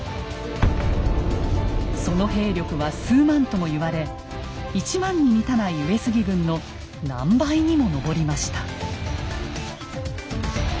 その兵力は数万とも言われ１万に満たない上杉軍の何倍にも上りました。